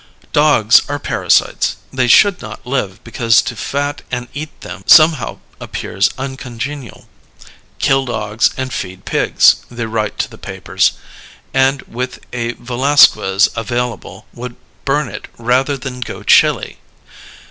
Dogs are "parasites"; they should not live, because to fat and eat them somehow appears uncongenial. "Kill Dogs and Feed Pigs," they write to the papers, and, with a Velasquez available, would burn it rather than go chilly.